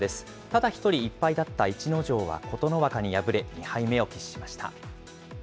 ただ１人１敗だった逸ノ城は琴ノ若に敗れ、２敗目を喫しました。